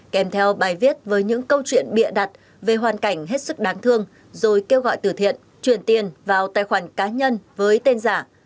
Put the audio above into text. kèm theo bài viết với những câu chuyện bịa đặt về hoàn cảnh hết sức đáng thương rồi kêu gọi tử thiện chuyển tiền vào tài khoản cá nhân với tên giả